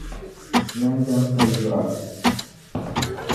Nandana ka yura.